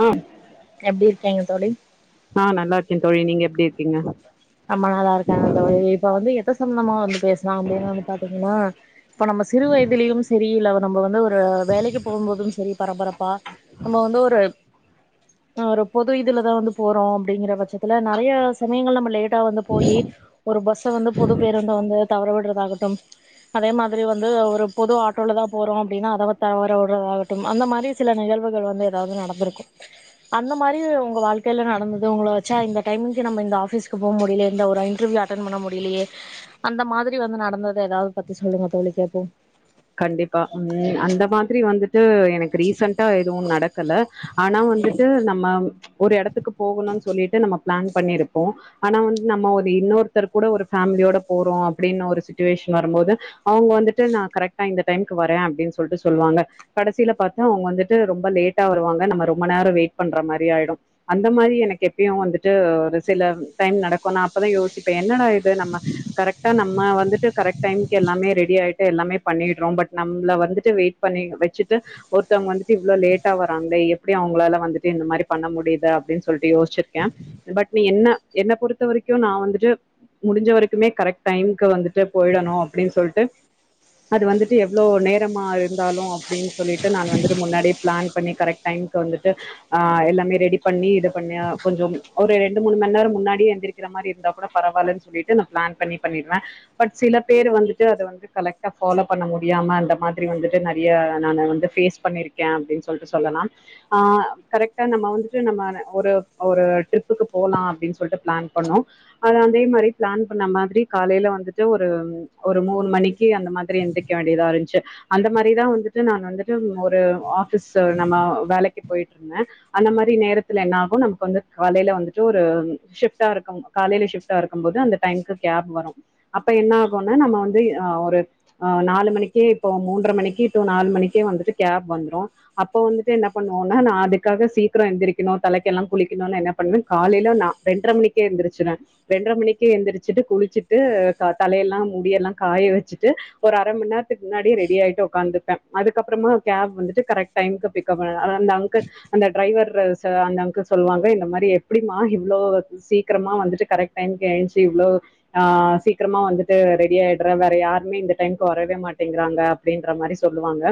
ஆ எப்பிடி இருக்கேங்க தோழி என் தோழி நீங்க எப்பிடி இருக்கீங்க அம்மா நாளா இருக்காங்க தோழி இப்ப வந்து ரத்த சம்னமா வந்து பேசலா அப்படின வந்து பாத்தீங்கன்னா இப்ப நம்ம சிறு வயதிலியு சரியில்ல அவருக் நம்ப வந்து ஒரு ஒரு வேலைக்கு போகுபோது சரி பரபரப்பா நம்ப வந்து ஒரு ஹ ஒரு பொது இதுலதா வந்து போறோ அப்புடிங்கிற பட்சத்துல நறைய சமயங்கள நம்ப லேட் வந்து போய் ஒரு பஸ் [unintelligible] வந்து பொது பேருந்து வந்து தவற விடுறதா ஆகட்டு அதே மாரி வந்து ஒரு பொது ஆட்டோல தா போறோ அப்பிடின்னா அத தவற விடுறதா ஆகட்டு அந்த மாரி சில நிகழ்வுகள் வந்து ஏதாவது நடந்திருக்கும அந்த மாதிரி உங்க வாழ்க்கையில நடந்தது உங்களை வச்சா இந்த டைமி நம்ம இந்த ஆபீஸ் போ முடியலியே ஒரு இண்டர்வியூ அட்டன் பண்ண முடியலியே அந்த மாரி வந்து நடந்தத ஏதாவது பத்தி சொல்லுங்க தோழி கேட்போம் கண்டிப்பா உம் அந்த மாதிரி வந்துட் எனக்கு ரீசன்டா எதுவு நடக்கல ஆனா வந்துட்டு நம்ம ஒரு எடத்துக்கு போகுணுனு சொல்லிட்டு நமக் பிளான் பண்ணிருப்போ ஆனா வந்து நம்ம ஒரு இன்னொருத்தர் கூட ஒரு பேமிலியோட போறோ அப்புடின்னு ஒரு சுச்சுவேஷ வரும்போது அவுங்க வந்துட்டு நான் கரெக்ட் இந்த டைம்க்கு வரே அப்புடினுண சொல்லிட்டு சொல்லுவாங்க கடைசியில பாத்தா அவுங்க வந்துட்டு ரொம்ப லேட்டா வருாங்க நம்ம ரொம்ப நேர வெயிட் பண்ற மாதிரி ஆயிடு அந்த மாதிரி எனக்கு எப்பயு வந்துட்டு ஒரு சில டைம் நடக்கு நா அப்பதா யோசிப்பே என்னட நம்ம கரெக்டா நம்ம அம்மா வந்துட்டு கரெக்ட் டைமுக்கு எல்லாமே ரெடி ஆயிட்டு எல்லாமே பண்ணிறோ பட் நம்ள வந்துட்டு வெயிட் பண்ண வச்சுட்டு ஒருத்தவுங்க எப்பிடி லேட்டா வாங்கவே எப்புடி அவுங்களால வந்து இந்த மாரி பண்ண முடியுது அப்பிடினு சொ சொல்லிட்டு யோசிருக்கே பட் என்ன என்ன பொறுத்த வரைக்கு நா வந்துட்டு முடிஞ்ச வரைக்குமே கரெக்ட் டைம்க்கு வந்துட்டு போயிடணு அப்பிடினு சொல்லிட்டு அது வந்துட்டு எவ்ளோ நேரமா இருந்தாலு அப்புடினு சொல்லிட்டு நா வந்துட்டு முன்னாடி பிளான் பண்ணி கரெக்ட் டைமுக்கு வந்துட்டு ஆஹ எல்லாமே ரெடி பண்ணி இது பண்ண கொஞ்ச ஒரு ரெண்டு மூணு மணி நேர முன்னாடியே எந்திரிக்கிற மாரி இருந்தா கூட பரவாயிலன்னு சொல்லிட்டு நா பிளான் பண்ணி பண்ணிருவே பட் சில பேர் வந்துட்டு அத வந்து கரெக்ட் ஃ பாலோ பண்ண முடியாம அந்த மாதிரி வந்துட்டு நறைய ந பேஸ் பண்ணிருக்கே அப்பிடினு சொல்லிட்டு சொல்லலா ம்ஹ கரெக்டா நம்ம வந்துட்டு நம்ம ஒரு ஒரு ட்ரிப்புக்கு போலா அப்பிடின்டு சொல்லிட்டு பிளான் பண்ணோ அதே மாரி பிளான் பண்ண மாதிரி காலில வந்துட்டு ஒரு ஒரு மூணு மணிக் இப்பிடி அந்த மாதிரி எந்திரிக்க வேண்டியதா இருந்துச்சு அந்த மாரி தா வந்து நா வந்துட்டு ஒரு ஆபிஸ் நம்ம வேலைக்கு போயிட்டு இருந்தே அந்த மாரி நேரத்துல என்ன ஆகு நமக்கு வந்துட்டு காலையில ஸ்ப்டா வந்துட்டு ஒரு இருக்கு காலையில ி இருக்கும் போது அந்த டை கேப் வரும் அப்ப என்ன ஆகும்ன நம்ம வந்து நாலு மணிக்கு இப்ப மூன்ற மணிக்கு டு நாலு மணிக்கே கேப் வந்துரு அப்ப வந்துட்டு என்ன பண்ணுவோனா அதுக்காக சீக்கிர எந்திருக்கனு தலைக்கு குளிக்கனு என்னப்பன்னுவே காலையில ரெண்டர மணிக்கே எஞ்ச்சுட்டு குளிச்சுட்டு தலையெல்லா முடியெல்லா காய வச்சு ஒரு அரை மணி நேர இதுக்கு முன்னாடி ரெடி ஆட்டு உக்காந்து அதுக்கப்புறமா கேப் வந்து கரெக்ட் டை அந்த அங்க அந்த டிரைவர் அந்த அங்கிள் சொல்லுவாங்க இந்த மாரி எப்பிடிமா இவ்ளோ சீக்கிரமா வந்துட்டு கரெக் டை எஞ்ச்சு இவ்ளோஹ சீக்கிரமா வந்துட்டு ரெடி ஆயிடுற வேற யாரு எப்பமே இந்த டைமக்கு வரவே மாட்டேங்கிறாங்க அப்பிடின்ற மாரி சொல்லுவாங்க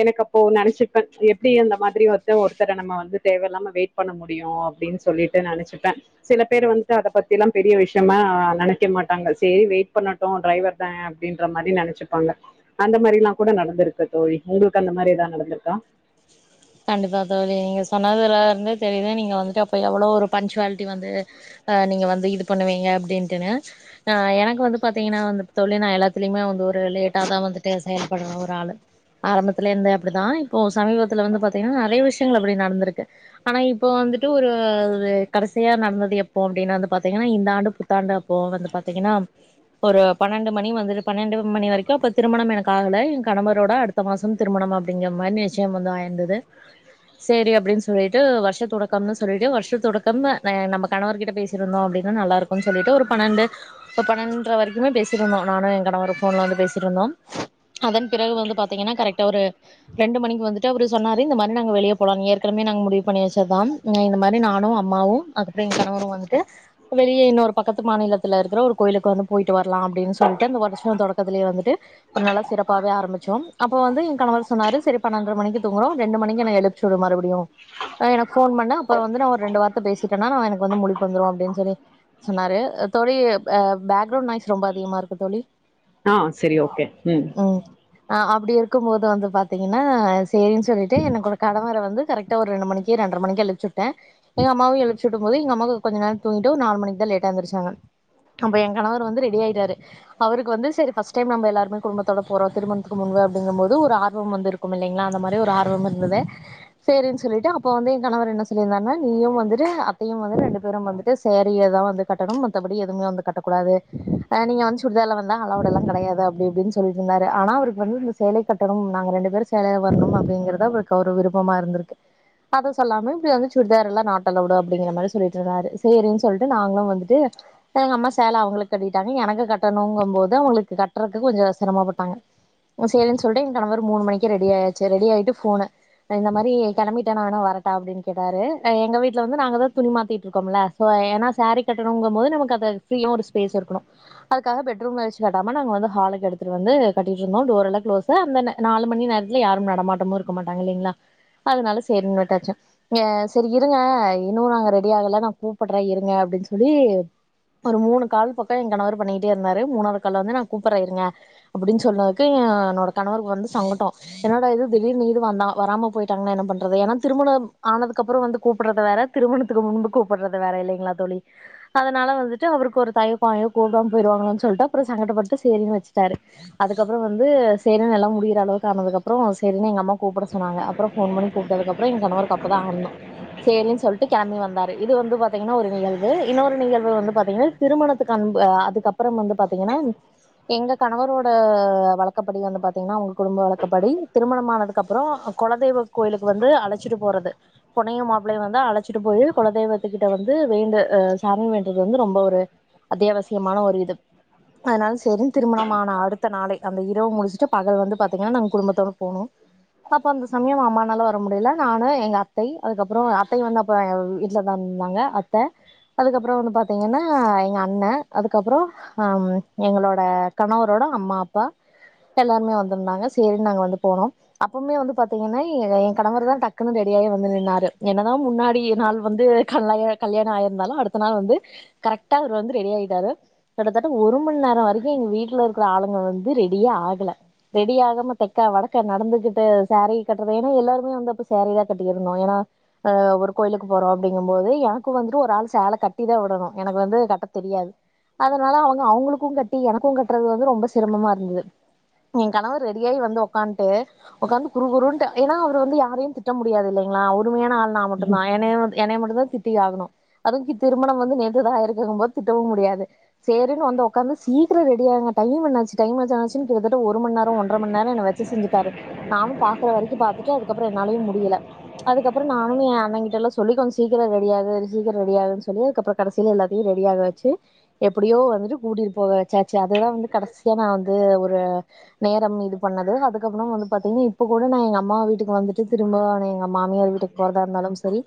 எனக்கு அப்போ நினைச்சப்பே எப்பிடி அந்த மாரி ஒருத்த நம்ப வந்து தேவயில்லாம வெயிட் பண்ண முடியு அப்பிடினு சொல்லிட்டு நெனைச்சுப்பே சில பேர் வந்துட்டு அத பத்தி எல்லா பெரிய விஷயமா நெனைக்க மாட்டாங்கள் சேரி வெயிட் பண்ணட்டு டிரைவர் தானே அப்பிடின்ற மாரி நெனச்சுப்பாங்க அந்த மாரி எல்லா கூட நடந்திருக்கு தோழி உங்களுக்கு அந்த மாரி ஏதானு நடந்திருக்கா கண்டிப்பா தோழி நீங்க சொன்னதுல இருந்து தெரியுத நீங்க வந்துட்டு அப்பே எவ்ளோ ஒரு பன்சுவாலிட்டி வந்து அஹ நீங்க வந்து இது பண்ணுவீங்க அப்பிடின்ட்டுனு ஆஹ எனக்கு வந்து பாத்தீங்கன்னா வந்து தோழி நா எல்லாத்துலயுமே வந்து ஒரு லேட்டா தா வந்துட்டே செயல்படுற ஒரு ஆளு ஆரம்பத்துல இருந்து அப்புடிதா இப்போ சமீபத்துல வந்து பா பாத்தீங்கினா நறைய விஷயங்கள் அப்புடி நடந்திருக்கு ஆனா இப்போ வந்துட்டு ஒரு கடைசியா நடந்தது எப்போ அப்புடினு வந்து பாத்தீங்கினா இந்த ஆண்டு புத்தாண்டு அப்போ வந்து பாத்தீங்கினா ஒரு பன்னெண்டு மணி வந்துட்டு பன்னெண்டு மணி வரைக்கும அப்போ திருமணம் எனக்கு ஆகலை என் கணவரோட அடுத்த மாசம் திருமணம் அப்படிங்கிற மாதிரி நிச்சயம் வந்து ஆயிருந்தது சேரி அப்புடினு சொல்லிட்டு வருஷ தொடக்கம்னு சொல்லிட்டு வருஷ தொடக்க நம்ம கணவ கிட்ட பேசிட்டு இருந்தோ அப்புடின்னு நல்லா இருக்கும்ன்னு சொல்லிட்டு ஒரு பன்னெண்டு ஒரு பன்னெண்ட வரைக்குமே பேசிருந்தோ நானு என் கணவரு போன்ல வந்து பேசிருந்தோ அதன் பிறகு வந்து பாத்தீங்கினா கரெக்டா ஒரு ரெண்டு மணிக்கு வந்துட்டு அவரு சொன்ன இந்த மாரி வெளிய ஏர்கெனமே முடிவு பண்ணவச்சது தா இந்த மாரி நானு அம்மாவு அப்பிடினு வந்துட்டு வெளியே இன்னொரு பக்கத்து மாநிலத்தில இருக்கிற கோயிலுவரோ போயிட்டு வர்லாமுனு சொல்லிட்டு வருஷ தொடக்கத்திலே வந்துட்டு சிறப்பவே ஆரம்பிச்சோம் அப்போ என் கணவர்சொன்னாரு பன்னெரை மணிக்குங்கு தூங்குறோ ரெண்டு மணிக்கு எனக்கு எழுப்பிச்சு விடு மறுபடியு எனக்கு போன் பண்ண அப்புற வந்து நா ஒரு ரெண்டு வார்த்த பேசிட்டேனா ந எனக்கு வந்து முழிப்பு வந்துரு அப்பிடினு சொி சொன்னாரு தோழி பேக்ரவுண்ட் நாய்ஸ் ரொம்ப அதிகமா இருக்கு தோழி ஆஹ சரி ஓகே ம் ஆஹ அப்புடி இருக்கு போது வந்து பாத்தீங்கினா சேரினு சொல்லிட் ஏ என் கடணவர வந்து கரெக்டா ஒரு ரெண்டு மணிக்கு ரெண்ரை மணிக்கு அ சுட்டு எங்க அம்மாவு எழுத் சுடும் போது எங்க அம்மாக்கு கொஞ்ச நேர தூங்கிட்டு நால் மணிக்கு தா லேட்டா எந்திருச்சாங்க நம்ப என் கணவர் வந்து ரெடி ஆயி வந்துட்டாரு அவுருக்கு வந்து சரி பஸ் டை எல்லாருமே குடும்பத்தோடு போறோ திருமணத்து முன்பு ஒரு ஆர்வம் வந்திருக்கு இல்லிங்கிலா அ மாரி ஒரு ஆர்வ ரூமு இருந்தது சேனு சொல்லிட்டு அப்போ வந்து என் கணவர் என்ன சொல்லி இருந்தார்னா வந்துத்தையும் வ ரண்டு பேரும் வந்து சேரிகட்டணும்மத்தபடி எதுவுமே வ கட்டக்கூடாது நீங்க வந்து சுடிதார்ல வந்தா அளவுட எல்லா கெடையாது அப்புடினு சொல்லிருந்தாரு ஆனா அவுருக்கு வந்து இந்த சேலை கட்டணு நாங்க ரெண்டு பேரு சேலைல வரணும் அப்புடிங்கறது விருப்பமா இருந்துருக்கு அதசொல்லாம சுடிதார் நாட் அளவொடு சொல்லிட்டு இருந்தாரு சேரி நாங்களு வந்துட்டு எங்க அம்மா சேல அவுங்களுக்கு கட்டிட்டு வந்து டன் எனக்கு கட்டணுங்க போது அவுங்களுக்கு கட்டுறக்கு கொஞ்ச சிரமப்பட்டாங்க உ சேரி சொல்டே கணவர் மூண்று மணிக்கு ரெடியா ஆயாச்சு ரெடிகிட்டு ஃபோ இந்த மாதிரி கிம்பட்ட நான வேணும் வரட்டா அப்படின்னு கேட்டா எ வீட்டல வந்து நாங்கள்தான் துணிமாத்திட்டு இருக்கோம்ல ஏன்னா சேல கட்டணுங்கும் போது நமக்கு அதை ஃப்ரீயா ஒரு ஸ்பேஸ் இருக்கணும் அதுாக பெட்ரூம்ல வச்சு கட்டாமல் நாங்க வந்து ஹலுக்கு எடுத்துட்டு வந்து கட்டிட்டு இருந்தோம் டோர் எல்லாம் களோஸ் அந்த நாலு மணி நேரத்து யாரும் நடமாட்டமோ இரு அதனால சேரினு விட்டாச்சு சேரி இருங்க இன்னு நாங்க ரெடி ஆகல கூப்புடுற அப்புடினு சொல்லி ஒரு மூணு கால் பக்கம என் கணவர் பண்ணிட்ட இருந்தாரு மூணதுந்து கூப்படுற இருங்க அப்படின்னு சொன்னதுக்கு என்னோட கணவருக்கு வந்து சங்கட்டம் என்னோட இது திடீர் போயானண்றது திமண ஆனதுக்கு அப்புற கூற்ற திருமக்கு முகூறதுற இனால வந்து அவருக்கு ஒரு த கூட போானு அப்புறம் அளவுக்குனதுறம் ச எங்க அம்மா கூப்புடசொன்னாங்க அப்புற போன் பண்ணி கூப்டதுறதுக்கு அப்புற கணவருக்கு அப்பதான்ந்த சனு சொல்லிட்டு கிளம்பி வந்தாருகன்னொருமக்குறீங்க எங்க கணவரோட வழக்கப்படி குடும்ப வழப்படி திருமணமான அதுக்கப்புறம் குலதெய்வ கோயிலுக்கு வந்து அழைச்சிட்டு போறது பொன்னையு மாப்பிளையம வந்து அழைச்சிட்டு போயில் குலதெய்வத்து கிட்ட வந்து வேண்டு அஹ் சரண வேன்றது வந்து ரொம்ப ஒரு அத்தியாவசியமான ஒரு இது அதனால சர ஆகன் திருமணமான அடுத்த நாளை அந்த இரவு முடிச்சுட்டு பகல் வந்து பாத்தீங்கன்னா நாங்க குடும்பத்தோட போகனும்ம் அப்ப அந்த சமயம் அம்மானாலும வர முடியல நானும் எங்க அத்தை அதுக்கப்புறம் அத்தைையும் வந்து அப்ப வீட்டுலதான் இருந்தாங்க அத்தை அதுக்கப்புறம் வந்து பாத்தீங்கன்னா எங்க அண்ணன் அதுக்கப்புறம் எங்களோட கணவரோட அம்மா அப்பா எல்லாருமே வந்துருந்தாங்க சேரின்னு நாங்க வந்து போனோம் அப்பவுமே வந்து பாத்தீங்கினா என் கணவர் தா டக்குன்னு ரெடியாயே வந்து நின்னாரு என்னதான முன்னாடி நாள் வந்து கல் கல்யாணம் ஆயிருந்தாலும் அடுத்த நாள் வந்து கரெக்டா அவர் வந்து ரெடி ஆயிட்டாரு கிட்டத்தட்ட ஒரு மணி நேர வரைக்கு எங்க வீட்டு இருக்கிற ஆளுங்க வந்து ரெடியே ஆகல ரெடி ஆகாம தெக்க வடக்க நடந்துகிட்டு சேரி கட்டுறது ஏன்னா எல்லாருமே வந்து அப்போ சேரி தா கட்டிக்க இருந்தோ ஏன்னாஹ ஒரு கோயிலுக்கு போறோ அப்பிடிங்கும் போது எனக்கு வந்துட்டு ஒரு ஆள் சேலை கட்டி தா விடணு எனக்கு வந்து கட்ட தெரியாது அதனால அவுங்க அவுங்களுக்கு கட்டி எனக்கு கட்டுறது வந்து ரொம்ப சிரமமா இருந்தது என் கணவர் ரெடியாயி வந்து உக்காட்டு உட்கார்ந்து குரு குருன்னா அவர் வந்து யாரையு கட்ட முடியாது இல்லைங்களா உருமையான ஆள் நா மட்டுதா எனைய மட்டும்தா தி ரெடியாகனு அது திருமண வந்து நேத்து தா இருக்கு போது திட்டவும் முடியாது சேரினு உக்கார்ந்து சீக்கிர ரெடியாகுக டைம் என்னாச்சி டைம் என்னாசு ஒரு மணி நேர ஒன்றரை மணி நேர என்ன வச்ச செஞ்டாரு நானும் பாக்குற வரைக்கு பாத்துட்டு அதுக்கப்புற என்னாலயையு முடியல அதுக்கப்புற நானு என் அண்ணன் கிட்டல்லா சொல்லி கொஞ்ச சீக்கிர ரெடிய ஆகுது சீக்கிர ரெடி ஆகுதுன்னு சொல்லி அதுக்கப்புற கடைசியில எல்லாத்தையு ரெடிய ஆாக வச்சு எப்புடியோ வந்துட்டு கூட்டிட்டு போக வச்சாச்சு அதுதா வந்து கடைசியா நா வந்து ஒரு நேர இது பண்ணது அதுக்கப்புற வந்து பாத்தீங்கின்ன இப்ப கூட நா எங்க அம்மா வீட்டுக்கு வந்துட்டு திரும்ப எங்க மாமியார் வீட்டுக்கு போறதா இருந்தாலு சரி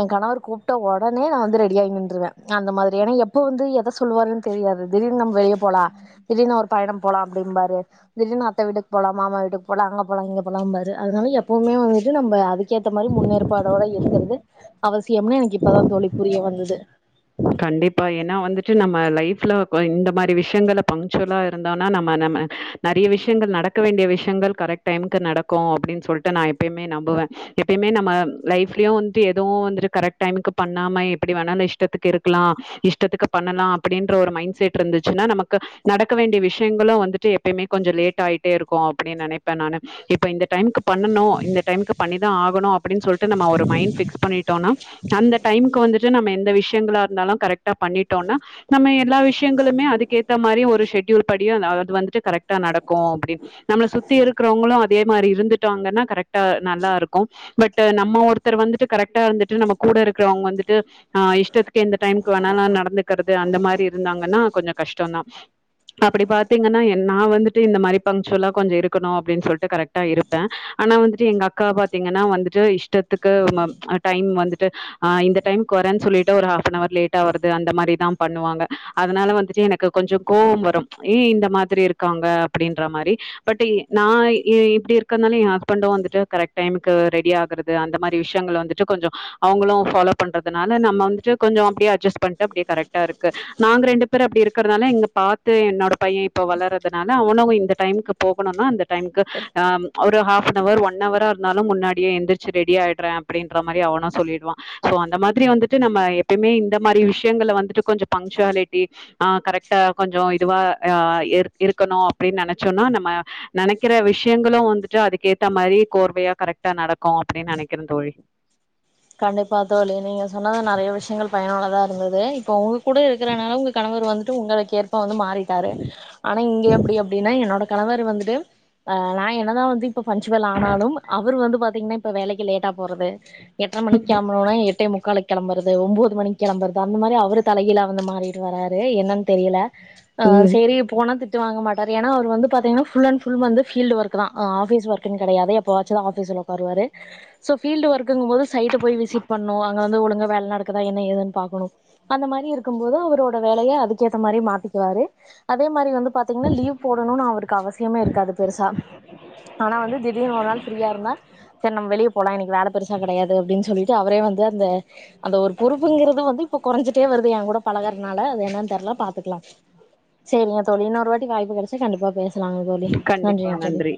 என் கணவர் கூப்பிட்ட உடனே நா வந்து ரெடி ஆகி நின்றுவே அந்த மாதிரியா எப்ப வந்து எத சொல்லுவாருன்னு தெரியாது திடீர்னு நம் வெளியே போலா திடீர்னு அவ ஒரு பயண போலா அப்புடும்பாரு திடீர்னு அத்த வீட்டுக்கு போகலா மாமா வீட்டுக்கு போகலா பழாயங்க பழாம் [unintelligible] அதனால எப்பவுமே வந்துட்டு நம்ம அதுக்கேத்த மாரி முன்னேற்பாடோட இருக்கு இருக்கிறது அவசிய [unintelligible] எம்னா எனக்கு இப்பதான் தோழி புரிய வந்தது கண்டிப்பா ஏன்னா வந்துட்டு நம்ம லைஃப்ல இந்த மாரி விஷயங்க பங்க்சுவலா இருந்தோனா நம்ம நம்ம நறைய விஷயங்கள் நடக்க வேண்டிய விஷயங்கள் கரெக்ட் டைமுக்கு நடக்கு அப்பிடினு சொல்லிட்டு நா எப்பியுமே நம்புவே எப்பியுமே நம்ம லைப்லயு வந்துட்டு எதுவு வந்துட்டு கரெக்ட் டைமுக்கு பண்ணாம எப்படி வேணாலு இஷ்டத்துக்கு இருக்கு இருக்கலா இஷ்டத்துக்கு பண்ணலா அப்பிடின்ற ஒரு மைண்ட செட் இருந்துச்சுன்னா நமக்கு நடக்க வேண்டிய விஷயங்களு வந்துட்டு எப்பியுமே கொஞ்ச லேட் ஆகிட்டே இருக்கு அப்புடினு நெனைப்பேன் ந இப்ப இந்த டைக்கு பண்ணு இந்த டைக்கு பண்ணிதா ஆகணு அப்பிடினு சொல்லி ஒரு மைண்ட் பிக்ஸ் பண்ணிட்டோம்னா அந்த டைமுக்கு வந்துட்டு நம்ம எந்த விஷயங்களா இருந் கரெக்டா பண்ணிடோம்னா நம்ம எல்லா விஷயங்களுமே அதுக்கேத்த மாதிரி ஒரு செடூல் படி வந்து கரெக்டா நடக்கும் அப்படினு நம்மல சுத்தி இருக்கரவங்கலு அதே மாதிரி இருந்துட்டாங்கனா கரெக்டா நல்லா இருக்கும் பட் நம்ம ஒருத்தர் வந்துட்டு கரக்டா இருந்துட்டு நம்ம கூட இருக்கிறவங்க வந்துட்டு இஷ்டத்துக்கு எந்த டைமுக்கு வேணாலாம் நடந்துக்கிறது அந்த மாதிரி இருந்தாங்கன்னா கொஞ்சம் கஷ்டம தான் அப்படி பாத்தீங்கன்னா நான் வந்துட்டு இந்த மாதிரி பங்க்சுவலா கொஞ்சம் இருக்கணும் அப்படின்னு சொல்லிட்டு கரெக்டா இருப்பேன் ஆனா வந்துட்டு எங்க அக்கா பாத்தீங்கன்னா வந்துட்டு இஷ்டத்துக்கு டைம் வந்துட்டு் இந்த டைமுக்கு வரேன்னு சொல்லிட்டு ஒரு லேட் ஆ வரது அந்த மாதிரி தான் பண்ணுவாங்க அதனால வந்துட்டு எனக்கு கொஞ்சம் கோவம் வரும் ஏ இந்த மாதிரி இருக்காங்க அப்படின்ற மாதிரி பட் நான் இப்படி இருக்கிறதுனால என் ஹஸ்பண்டும் வந்துட்டு கரெக்ட் டைமுக்கு ரெடி ஆகுது அந்த மாதிரி விஷயங்கள் வந்துட்டு கொஞ்சம் அவங்களும் பாலோ பண்றதுனால நம்ம வந்துட்டு கொஞ்சம் அப்படியே அட்ஜஸ்ட் பண்ணிட்டு அப்படியே கரெக்டா இருக்கு நாங்க ரெண்டு பேர் அப்படி இருக்கறனால இங்க பார்த்து என்னோட பையன் இப்ப வளர்றதுனால அவனங்க இந்த டைமுக்கு போகணும்னா அந்த டைமுக்கு போகனுமுன்னா ஒரு ஹப்னவர் ஒன் அவரா இருந்தாலும் முன்னாடியே எந்திரிச்சு ரெடி ஆயிடுறேன் அப்படின்ற மாதிரி அவனும் சொல்லிடுவான் சோ அந்த மாதிரி வந்துட்டு நம்ம எப்பயுமே இந்த மாதிரி விஷயங்கள வந்துட்டு கொஞ்சம் பங்க்சுவாலிட்டி ஆஹ் கரெக்டா கொஞ்சம் இதுவா ஆஹ் இருக்கணும் அப்படின்னு நினைச்சோம்ன்னா நம்ம நினைக்கிற விஷயங்களும் வந்துட்டு அதுக்கேத்த மாதிரி கோர்வையா கரெக்டா நடக்கும் அப்படின்னு நினைக்கிறேன் தோழி கண்டிப்பா தோழி நீங்க சொன்னது நிறைய விஷயம் பயனுள்ளதா இருந்தது இப்ப உங்க கூட இருக்கிறனால உங்க கணவர் வந்து உங்களுக்கு ஏற்ப வந்து மாறிட்டாரு ஆனா இங்க எப்படி அப்படின்னா என்னோட கணவர் வந்து நான் என்னதான் வந்து பன்சுவல் ஆனாலும் அவர் வந்து பார்த் பாத்திங்னா இப்ப வேலைக்கு லேட்டா போறது எட்டரை மணிக்கு கெளம்பனும்னா எட்டே முக்காலுக்கு கிளம்புறது ஒன்பது மணிக்கு கிளம்பறது அந்த மாதிரி அவரு தலையில வந்து மாறிட்டு வராரு என்னன்னு தெரியல ஆஹ் ம் சரி போனாது திட்டு வாங்க மாட்டாரு அவர் வந்து பாத்தீனா பல் புல் வந்து பீல்ட் ஒர்க் தான் ஆபிஸ் ஒர்க்னு கிடையாது எப்பயாச்சிதா ஆபிஸ் ஒர்க் வருவாரு சோ பீல்ட் ஒர்க்கு போது சைட் போய் விசிட் பண்ணணும் அங்க வந்து ஒழுங்க வேலை நடக்குதா என்ன ஏதுன்னு பாக்கணும் அந்த மாதிரி இருக்கும்போது அவரோட வேலையை அதுக்கேற்ற மாதிரி மாத்திக்குவாரு அதே மாதிரி வந்து பாத்தீங்கன்னா லீவ் போடணும்னு அவருக்கு அவசியமே இருக்காது பெருசா ஆனா வந்து திடீன்னு ஒரு நாள் ப்ரீயா இருந்தா சரி நம்ம வெளியே போலாம் இன்னக்கு வெளிய போலா வேலை பெருசா அதெல்லா கிடையாது அப்படின்னு சொல்லிட்டு அவரே வந்து அந்த அந்த ஒரு பொறுப்புங்கிறது வந்து இப்ப குறைஞ்சிட்டே வருது என் கூட பழகுறதுனால அது என்னன்ன தெர்ல பாத்துக்கலாம் சரிங்க தோழி இன்ன ஒரு வாட்டி வாய்ப்பு கிடச்ச கண்டிபா பேசு லாங்க தோழி கண்டிப்பா நன்றிங்க தோழி நன்றி